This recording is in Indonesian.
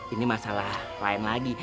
ini masalah lain lagi